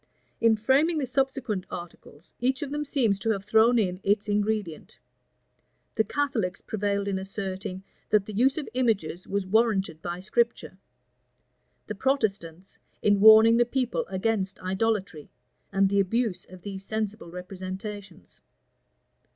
In framing the subsequent articles, each of them seems to have thrown in its ingredient. The Catholics prevailed in asserting, that the use of images was warranted by Scripture; the Protestants, in warning the people against idolatry, and the abuse of these sensible representations.